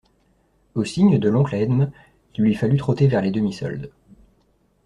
Au signe de l'oncle Edme, il lui fallut trotter vers les demi-soldes.